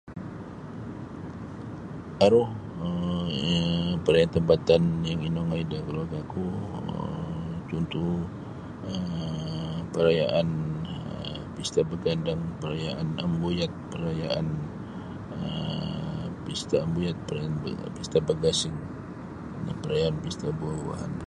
Aru um perayaan tampatan inongoi da kaluarga ku um contoh um perayaan um pesta bagandang perayaan ambuyat perayaan um pesta ambuyat um perayaan pesta bagasing dan perayaan pesta buah-buahan.